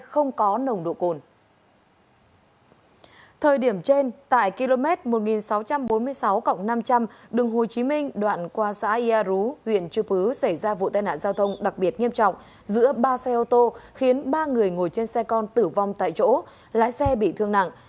hồ chí minh đoạn qua xã yà rú huyện chư pứ xảy ra vụ tai nạn giao thông đặc biệt nghiêm trọng giữa ba xe ô tô khiến ba người ngồi trên xe con tử vong tại chỗ lái xe bị thương nặng